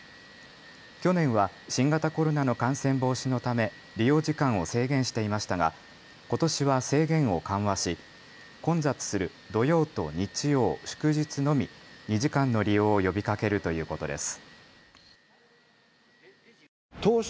去年は新型コロナの感染防止のため利用時間を制限していましたが、ことしは制限を緩和し混雑する土曜と日曜、祝日のみ、２時間の利用を呼びかけるということです。